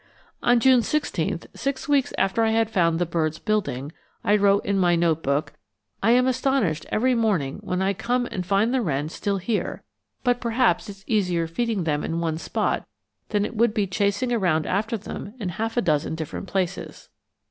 On June 16, six weeks after I had found the birds building, I wrote in my note book: "I am astonished every morning when I come and find the wrens still here, but perhaps it's easier feeding them in one spot than it would be chasing around after them in half a dozen different places."